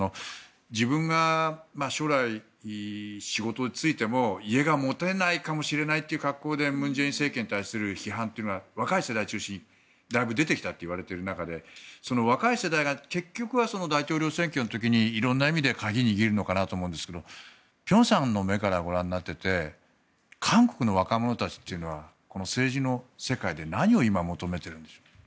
自分が将来、仕事に就いても家が持てないかもしれないという格好で文在寅政権に対する批判というのは若い世代を中心にだいぶ出てきたといわれている中でその若い世代が結局は大統領選挙で色んな意味で鍵を握ると思うんですが辺さんの目からご覧になっていて韓国の若者たちというのは政治の世界で何を今、求めているんですか？